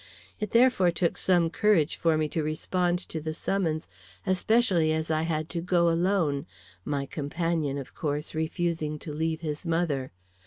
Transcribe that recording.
It therefore took some courage for me to respond to the summons, especially as I had to go alone, my companion, of course, refusing to leave his mother.